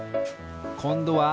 こんどは？